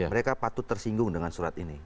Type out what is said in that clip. mereka patut tersinggung dengan surat ini